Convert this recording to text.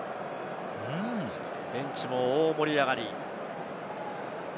ベンチも大盛り上がり。